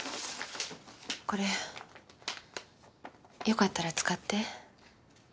よかったら使って。